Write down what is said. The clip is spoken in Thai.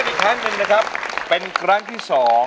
มันน่ะครับเป็นครั้งที่๒